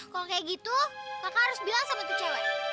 kalau kayak gitu kakak harus bilang sama mantu cewek